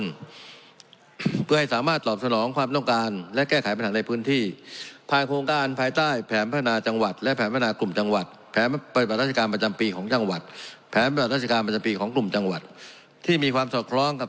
เพื่อให้สามารถตอบสนองความต้องการและแก้ไขปัญหาในพื้นที่ผ่านโครงการภายใต้แผนพัฒนาจังหวัดและแผนพัฒนากลุ่มจังหวัดแผนปฏิบัติราชการประจำปีของจังหวัดแผนประกอบราชการประจำปีของกลุ่มจังหวัดที่มีความสอดคล้องกับ